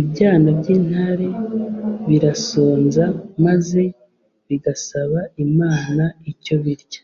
ibyana by'intarebirasonza maze bigasaba imana icyo birya